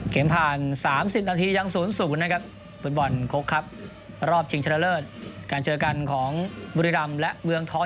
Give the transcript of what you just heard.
เกมผ่าน๓๐นาทียังสูญสุขนะครับฝนบ่อนคกครับรอบชิงชะเลอดการเจอกันของบุรีรำและเมืองทอง